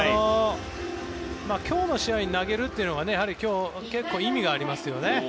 今日の試合で投げるということには結構意味がありますよね。